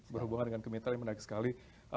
berhubungan dengan kemitraan yang menarik sekali